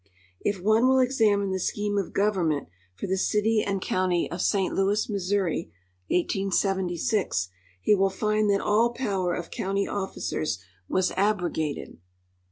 If one will examine the scheme of government for the cit}* and count}' of St. Louis, Missouri (1876), he will find that all power of county officers was abrogated.